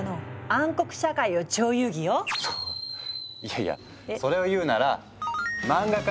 そいやいやそれを言うならそっか！